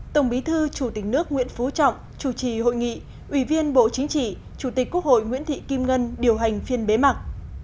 tổng bí thư chủ tịch nước nguyễn phú trọng chủ trì hội nghị ủy viên bộ chính trị chủ tịch quốc hội nguyễn thị kim ngân điều hành phiên bế mạc